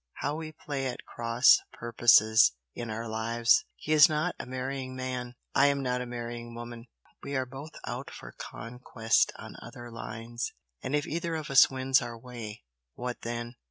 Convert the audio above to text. How we play at cross purposes in our lives! he is not a marrying man I am not a marrying woman we are both out for conquest on other lines, and if either of us wins our way, what then?